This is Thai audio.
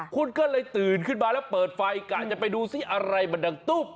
คุณก็เลยตื่นขึ้นมาแล้วเปิดไฟกะจะไปดูซิอะไรมันดังตุ๊บ